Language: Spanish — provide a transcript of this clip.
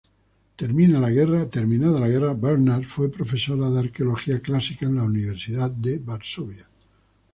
Terminada la guerra, Bernhard fue profesora de arqueología clásica en la Universidad de Varsovia.